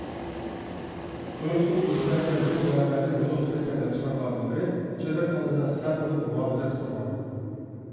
تۇيۇقسىز يۈز بەرگەن بۇ ۋەقەدىن ھودۇقۇپ كەتكەن ئەلچىخانا خادىملىرى چېدىر ئالدىدا سەپ بولۇپ مۇھاپىزەتتە تۇرغان.